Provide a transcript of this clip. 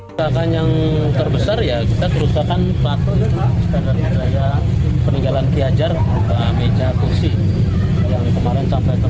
kerusakan yang terbesar ya kita kerusakan patung sekadar sekadar peninggalan ki hajar